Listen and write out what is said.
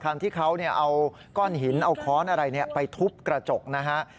คันที่เขาเอาก้อนหินเอาค้อนอะไรไปทุบกระจกนะฮะ